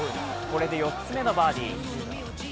これで４つ目のバーディー。